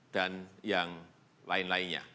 dan yang lain lainnya